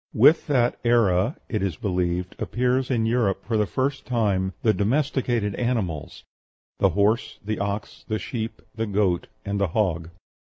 With that era, it is believed, appears in Europe for the first time the domesticated animals the horse, the ox, the sheep, the goat, and the hog.